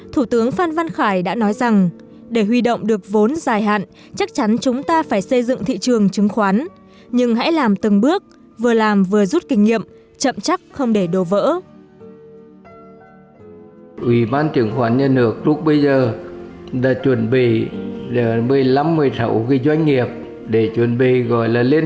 thủ tướng phan văn khải đã nói rằng để huy động được vốn dài hạn chắc chắn chúng ta phải xây dựng thị trường chứng khoán nhưng hãy làm từng bước vừa làm vừa rút kinh nghiệm chậm chắc không để đổ vỡ